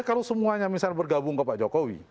kalau semuanya misalnya bergabung ke pak jokowi